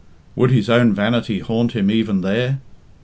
Would his own vanity haunt him even there?